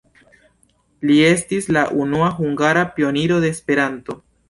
Li estis la unua hungara pioniro de Esperanto.